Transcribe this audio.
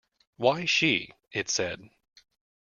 ‘Why, she,’ it said.